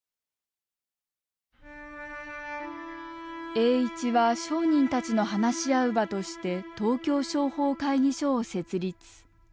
栄一は商人たちの話し合う場として東京商法会議所を設立。